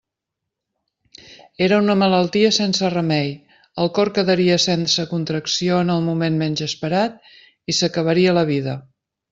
Era una malaltia sense remei; el cor quedaria sense contracció en el moment menys esperat, i s'acabaria la vida.